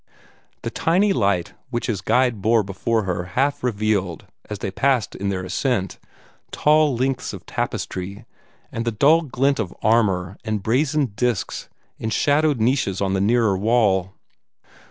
The tiny light which his guide bore before her half revealed, as they passed in their ascent, tall lengths of tapestry, and the dull glint of armor and brazen discs in shadowed niches on the nearer wall.